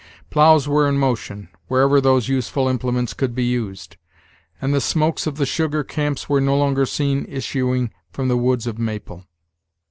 Ploughs were in motion, wherever those useful implements could be used, and the smokes of the sugar camps were no longer seen issuing from the woods of maple.